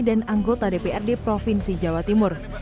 dan anggota dprd provinsi jawa timur